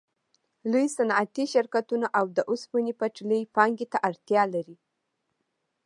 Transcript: لوی صنعتي شرکتونه او د اوسپنې پټلۍ پانګې ته اړتیا لري